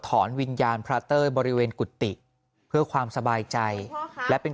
วิญญาณพระเต้ยบริเวณกุฏิเพื่อความสบายใจและเป็น